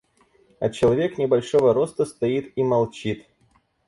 А человек небольшого роста стоит и молчит.